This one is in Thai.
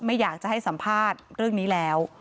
ไม่อยากจะให้สัมภาษณ์เรื่องนี้แล้ว